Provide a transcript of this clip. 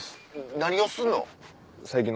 何をすんの？